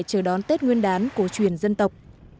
chờ đón tết nguyên đán của truyền dân tộc